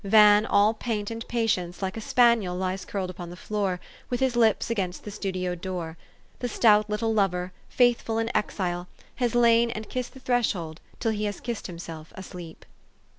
Van, all paint and patience, like a spaniel lies curled upon the floor, with his lips against the studio door. The stout little lover, faithful in exile, has lain and kissed the threshold till he has kissed himself asleep.